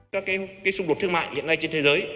các cái xung đột thương mại hiện nay trên thế giới